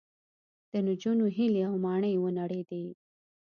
د نجونو هیلې او ماڼۍ ونړېدې